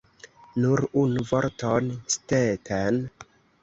Nur unu vorton, Stetten!